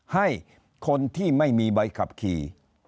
ให้คนที่ไม่มีใบขับขี่